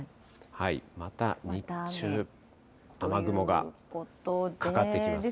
また日中、雨雲がかかってきますね。